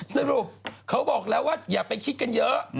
สรุปเขาบอกแล้วว่าอย่าไปคิดกันเยอะ